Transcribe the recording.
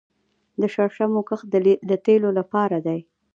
د شرشمو کښت د تیلو لپاره دی